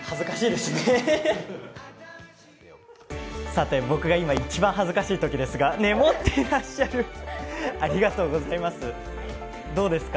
さて、僕が今、一番恥ずかしいときですが、えっ、持ってらっしゃる、ありがとうございます。